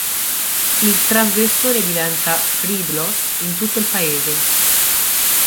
Il trasgressore diventa "Friedlos" in tutto il paese.